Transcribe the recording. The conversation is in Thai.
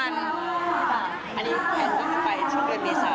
อันนี้แทนก็ไปช่วงเวลาเมษา